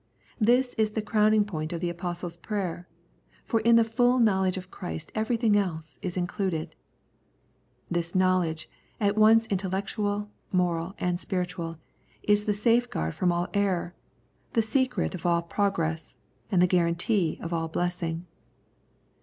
This is the crowning point of the Apostle's prayer, for in the full knowledge of Christ everything else is included. This knowledge, at once in tellectual, moral, and spiritual, is the safe guard from all error, the secret of all pro gress, and the guarantee of all blessing.